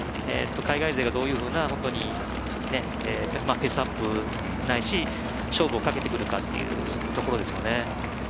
海外勢が、どういうふうなペースアップないし勝負をかけてくるかというところですね。